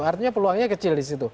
artinya peluangnya kecil di situ